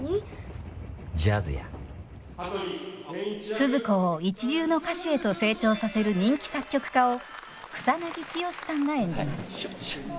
スズ子を一流の歌手へと成長させる人気作曲家を草剛さんが演じます。